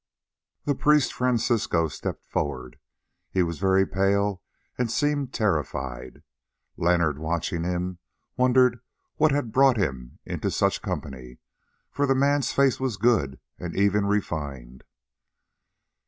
The priest Francisco stepped forward. He was very pale and seemed terrified. Leonard, watching him, wondered what had brought him into such company, for the man's face was good and even refined.